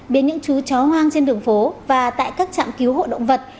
biến những chú chó hoang trên đường phố và tại các trạm cứu hộ động vật